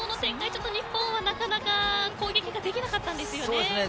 ちょっと日本はなかなか攻撃ができなかったんですよね。